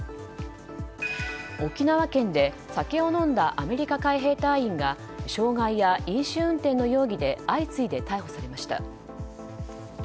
沖縄県で酒を飲んだアメリカ海兵隊員が傷害や飲酒運転の容疑で相次いで逮捕されました。